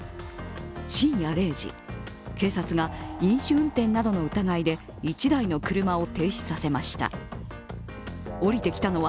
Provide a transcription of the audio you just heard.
深夜０時、警察が飲酒運転などの疑いで１台の車を停止させました。